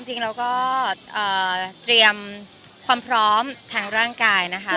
จริงเราก็เตรียมความพร้อมทางร่างกายนะคะ